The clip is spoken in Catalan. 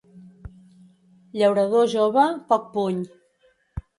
Llaurador jove, poc puny.